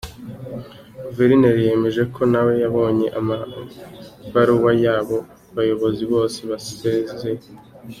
Guverineri yemeje ko nawe yabonye amabaruwa y’abo bayobozi bose basezeye.